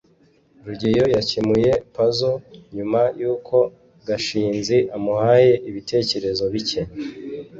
rugeyo yakemuye puzzle nyuma yuko gashinzi amuhaye ibitekerezo bike